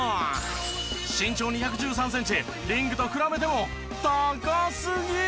身長２１３センチリングと比べても高すぎ！